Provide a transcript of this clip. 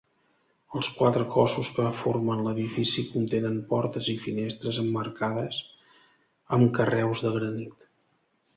Els quatre cossos que formen l'edifici contenen portes i finestres emmarcades amb carreus de granit.